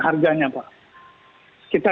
harganya pak kita